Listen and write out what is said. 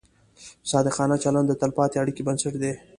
صادقانه چلند د تلپاتې اړیکې بنسټ دی.